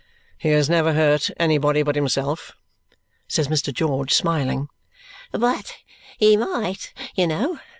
"He has never hurt anybody but himself," says Mr. George, smiling. "But he might, you know.